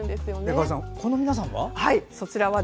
こちらの皆さんは？